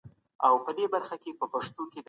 له وېرې تېرېدل پرمختګ دی.